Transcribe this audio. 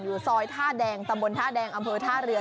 ซอยท่าแดงตำบลท่าแดงอำเภอท่าเรือ